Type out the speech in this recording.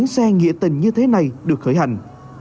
xe nghĩa tình như thế này được khởi hành